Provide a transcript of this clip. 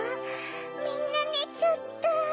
みんなねちゃった。